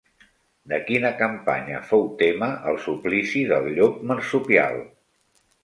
De quina campanya fou tema el suplici del llop marsupial?